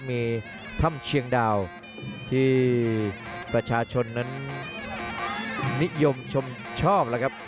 มีถ้ำเชียงดาวที่ประชาชนนั้นนิยมชมชอบแล้วครับ